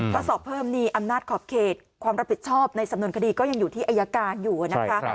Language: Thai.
ก็สอบเพิ่มนี่อำนาจขอบเขตความรับผิดชอบในสำนวนคดีก็ยังอยู่ที่อายการอยู่นะคะ